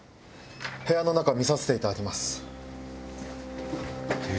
部屋の中見させていただきます。